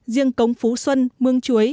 riêng công phú xuân mương chuối